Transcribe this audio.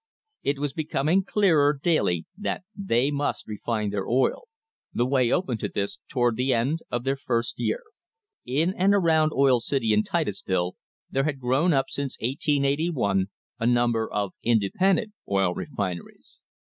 It was becoming clearer daily that they must refine their oil. The way opened to this toward the end of their first year. In and around Oil City and Titusville there had grown up since 1881 a number of independent oil refineries.